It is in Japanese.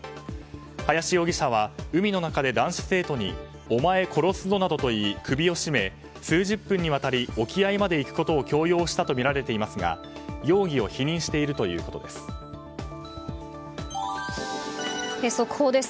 林容疑者は海の中で男子生徒にお前殺すぞなどと言い、首を絞め数十分にわたり沖合まで行くことを強要したとみられていますが容疑を速報です。